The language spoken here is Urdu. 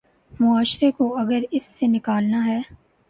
معاشرے کو اگر اس سے نکالنا ہے۔